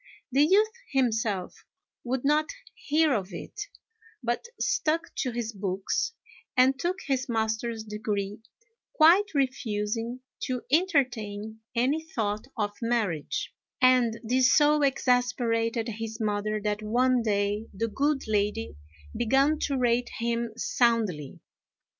The youth himself would not hear of it, but stuck to his books and took his master's degree, quite refusing to entertain any thought of marriage; and this so exasperated his mother that one day the good lady began to rate him soundly.